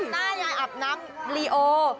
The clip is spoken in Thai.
หน้ายายอาบน้ำลีโอ